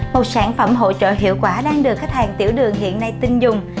một sản phẩm hỗ trợ hiệu quả đang được khách hàng tiểu đường hiện nay tin dùng